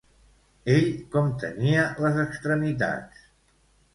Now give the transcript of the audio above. Ell com tenia les extremitats?